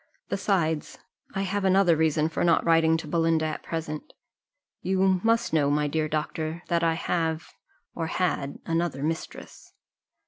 Besides, I have another reason for not writing to Belinda at present you must know, my dear doctor, that I have, or had, another mistress."